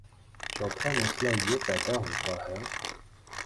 چوتھا مسئلہ یہ پیدا ہوتا ہے